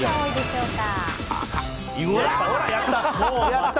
ほら、やった！